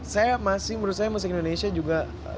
saya masih menurut saya musik indonesia juga